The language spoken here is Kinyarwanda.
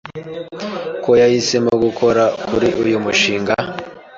ko yahisemo gukora kuri uyu mushinga